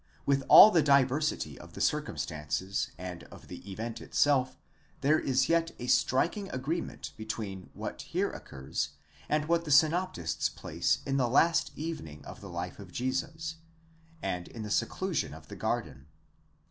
With all the diversity of the circumstances and of the event itself, there is yet a striking agreement between what here occurs and what the synoptists place in the last evening of the life of Jesus, and in the seclusion of the garden.